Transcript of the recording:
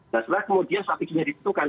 nah setelah kemudian strateginya ditentukan